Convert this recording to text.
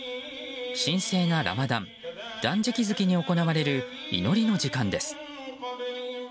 神聖なラマダン断食月に行われる祈りの時間です。